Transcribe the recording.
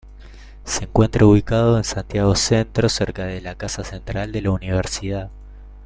Se encuentra ubicado en Santiago Centro, cerca de la casa central de la universidad.